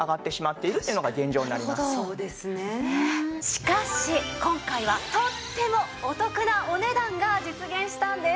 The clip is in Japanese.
しかし今回はとってもお得なお値段が実現したんです！